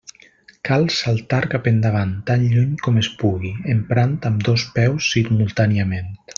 Cal saltar cap endavant tan lluny com es pugui, emprant ambdós peus simultàniament.